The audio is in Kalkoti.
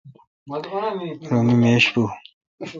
رو می میش پو۔